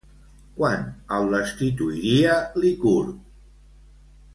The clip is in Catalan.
Quan el destituiria Licurg?